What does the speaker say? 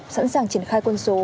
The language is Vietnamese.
sẵn sàng triển khai quân số